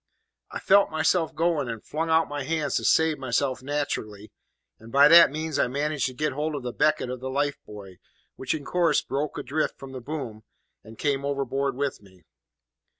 "I felt myself going, and flung out my hands to save myself naterally, and by that means I managed to get hold of the becket of the life buoy, which in course broke adrift from the boom, and came overboard with me.